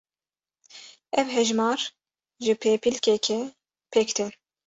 Ev hejmar ji pêpilkekê pêk tên.